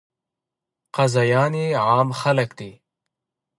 قاضیان یې عام خلک دي.